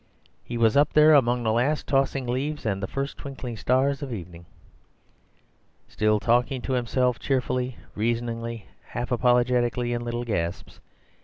He was up there among the last tossing leaves and the first twinkling stars of evening, still talking to himself cheerfully, reasoningly, half apologetically, in little gasps.